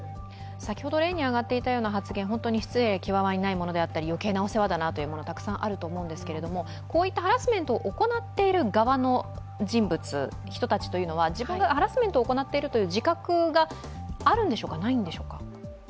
先ほどのような発言は本当に失礼極まりないものだったり、余計なお世話だなというものたくさんあると思うんですけどこういったハラスメントを行っている側の人物、人たちは、自分がハラスメントを行っている自覚があるんでしょうか、ないんでしょうか？